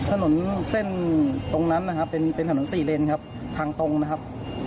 ถนนเส้นตรงนั้นนะครับเป็นเป็นถนนสี่เลนครับทางตรงนะครับ